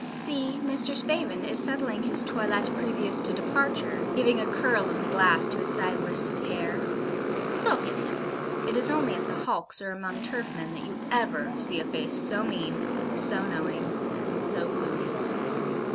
See Mr. Spavin is settling his toilette previous to departure; giving a curl in the glass to his side wisps of hair. Look at him! It is only at the hulks, or among turf men, that you ever see a face so mean, so knowing, and so gloomy.